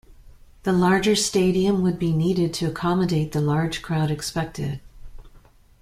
The larger stadium would be needed to accommodate the large crowd expected.